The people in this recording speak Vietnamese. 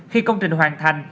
khi công trình hoàn thành